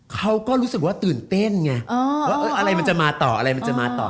เขาก็รู้สึกว่าตื่นเต้นไงว่าอะไรมันจะมาต่อ